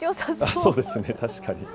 そうですね、確かに。